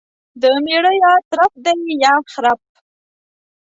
دميړه يا ترپ دى يا خرپ.